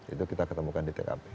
itu kita ketemukan di tkp